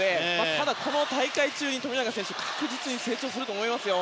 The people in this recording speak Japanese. ただこの大会中に富永選手は確実に成長すると思います。